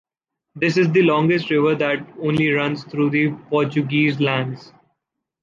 This is the longest river that only runs through the Portuguese lands.